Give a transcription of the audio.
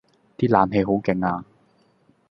啲冷氣好勁呀